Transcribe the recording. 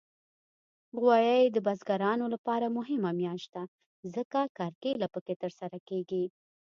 غویی د بزګرانو لپاره مهمه میاشت ده، ځکه کرکیله پکې ترسره کېږي.